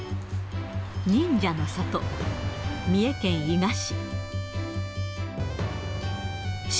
忍者の里、三重県伊賀市。